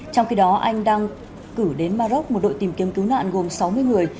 trong khi đó anh đang cử đến maroc một đội tìm kiếm cứu nạn gồm sáu mươi người